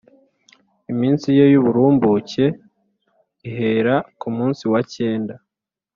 iminsi ye y’uburumbuke ihera ku munsi wa cyenda